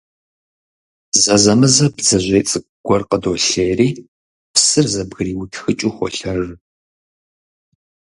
Зэзэмызэ бдзэжьей цӀыкӀу гуэр къыдолъейри, псыр зэбгриутхыкӀыу, холъэж.